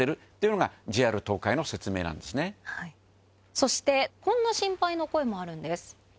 そしてこんな心配の声もあるんです。